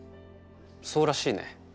そうらしいね。